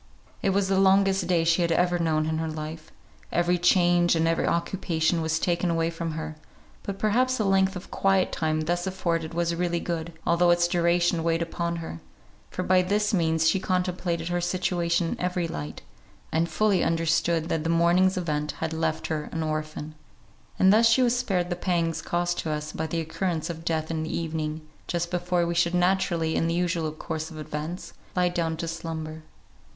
It was the longest day she had ever known in her life; every charge and every occupation was taken away from her: but perhaps the length of quiet time thus afforded was really good, although its duration weighed upon her; for by this means she contemplated her situation in every light, and fully understood that the morning's event had left her an orphan; and thus she was spared the pangs caused to us by the occurrence of death in the evening, just before we should naturally, in the usual course of events, lie down to slumber.